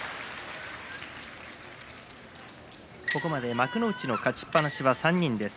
ここまで幕内の勝ちっぱなしは３人です。